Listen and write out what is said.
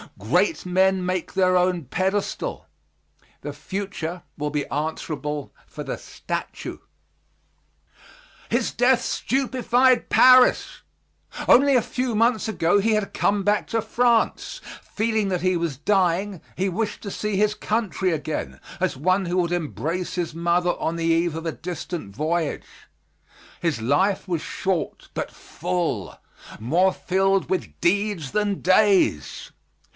Great men make their own pedestal, the future will be answerable for the statue. His death stupefied Paris! Only a few months ago he had come back to France. Feeling that he was dying, he wished to see his country again, as one who would embrace his mother on the eve of a distant voyage. His life was short, but full, more filled with deeds than days.